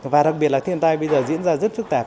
và đặc biệt là thiên tai bây giờ diễn ra rất phức tạp